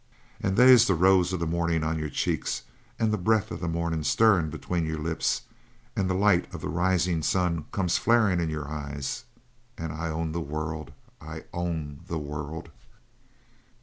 And they's the rose of the mornin' on your cheeks, and the breath of the mornin' stirrin' between your lips, and the light of the risin' sun comes flarin' in your eyes. And I own the world I own the world.'